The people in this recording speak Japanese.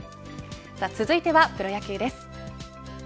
続いてはプロ野球です。